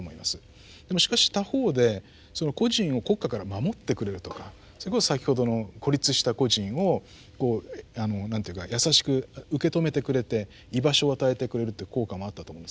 でもしかし他方で個人を国家から守ってくれるとかそれこそ先ほどの孤立した個人をこうなんて言うか優しく受け止めてくれて居場所を与えてくれるという効果もあったと思うんですね。